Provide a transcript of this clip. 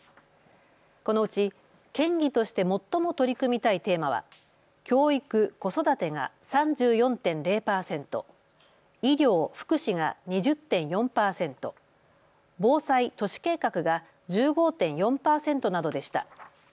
このうち県議として最も取り組みたいテーマは教育・子育てが３４．０％、医療・福祉が２０．４％、防災・都市計画が１５．４％などでした。